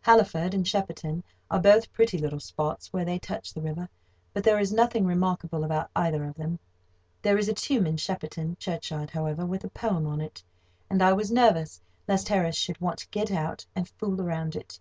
Halliford and Shepperton are both pretty little spots where they touch the river; but there is nothing remarkable about either of them. There is a tomb in Shepperton churchyard, however, with a poem on it, and I was nervous lest Harris should want to get out and fool round it.